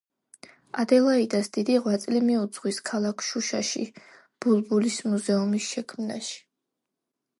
ადელაიდას დიდი ღვაწლი მიუძღვის ქალაქ შუშაში ბულბულის მუზეუმის შექმნაში.